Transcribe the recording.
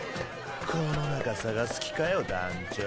この中捜す気かよ団ちょ。